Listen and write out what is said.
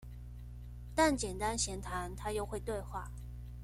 但簡單閒談，他又會對話